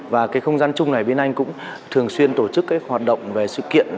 và cái không gian chung này bên anh cũng thường xuyên tổ chức các hoạt động về sự kiện